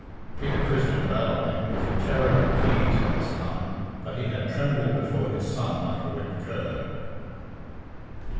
Peter Christian Ballawhaine was a terror in the Keys by this time, but he had trembled before his son like a whipped cur.